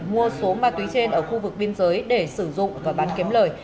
mua số ma túy trên ở khu vực biên giới để sử dụng và bán kiếm lời